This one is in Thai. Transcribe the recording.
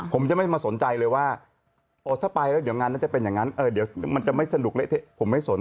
ผมจะไม่มาสนใจเลยว่าถ้าไปแล้วเดี๋ยวงานนั้นจะเป็นอย่างนั้นเดี๋ยวมันจะไม่สนุกผมไม่สน